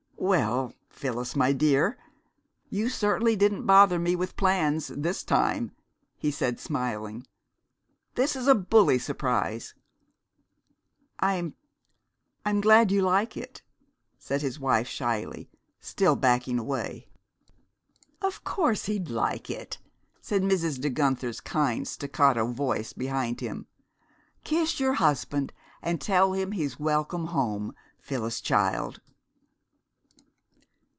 "Well, Phyllis, my dear, you certainly didn't bother me with plans this time!" he said, smiling. "This is a bully surprise!" "I I'm glad you like it," said his wife shyly, still backing away. "Of course he'd like it," said Mrs. De Guenther's kind staccato voice behind him. "Kiss your husband, and tell him he's welcome home, Phyllis child!"